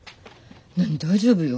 何大丈夫よ。